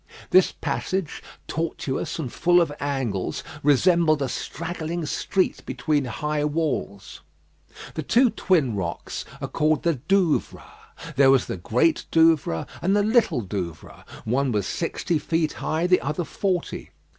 This passage, tortuous and full of angles, resembled a straggling street between high walls. The two twin rocks are called the Douvres. There was the Great Douvre and the Little Douvre; one was sixty feet high, the other forty.